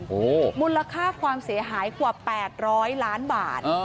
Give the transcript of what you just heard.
โอ้โหมูลค่าความเสียหายกว่า๘๐๐ล้านบาท